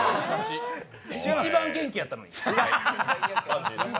一番元気やったのに。